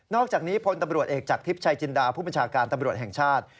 อกจากนี้พลตำรวจเอกจากทิพย์ชัยจินดาผู้บัญชาการตำรวจแห่งชาติ